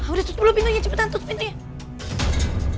udah tutup dulu pintunya cepetan tutup pintunya